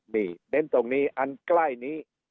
นี่เน้นตรงนี้อันใกล้นี้